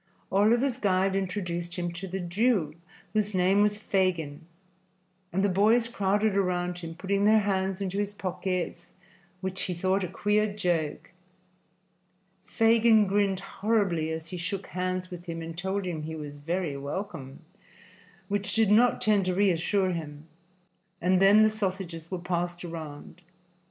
Oliver's guide introduced him to the Jew, whose name was Fagin, and the boys crowded around him, putting their hands into his pockets, which he thought a queer joke. Fagin grinned horribly as he shook hands with him and told him he was very welcome, which did not tend to reassure him, and then the sausages were passed around.